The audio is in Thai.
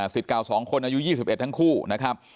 เก่า๒คนอายุ๒๑ทั้งคู่นะครับ